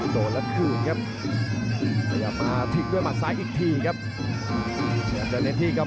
โดดแล้วคืนครับพยายามมาทิ้งด้วยผ่านซ้ายอีกทีครับ